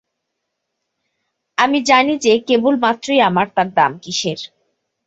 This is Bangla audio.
আমি জানি যে কেবলমাত্রই আমার– তার দাম কিসের?